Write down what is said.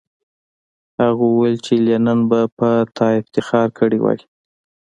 هغه وویل چې لینن به په تا افتخار کړی وای